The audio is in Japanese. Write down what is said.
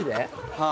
はい。